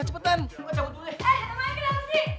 eh temennya kenapa sih